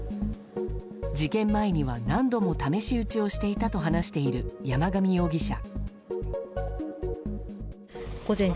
事件前には何度も試し撃ちをしていたと話している山上容疑者。